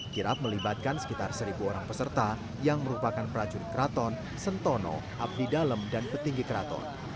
kirap melibatkan sekitar seribu orang peserta yang merupakan prajurit kraton sentono abdidalem dan petinggi kraton